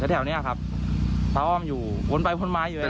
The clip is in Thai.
แถวเนี้ยครับพระอ้อมอยู่วนไปวนมาอยู่เลย